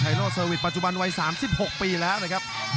โลเซอร์วิสปัจจุบันวัย๓๖ปีแล้วนะครับ